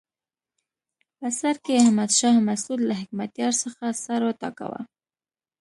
په سر کې احمد شاه مسعود له حکمتیار څخه سر وټکاوه.